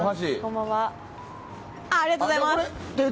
ありがとうございます。